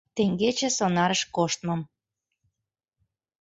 Теҥгече сонарыш коштмым.